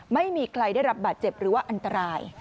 ไม่มีใครได้รับบาดเจ็บหรือว่าอันตราย